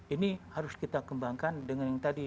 ini harus kita kembangkan dengan yang tadi